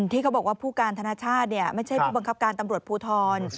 ที่เขาบอกว่าผู้การธนชาติไม่ใช่ผู้บังคับการตำรวจภูทร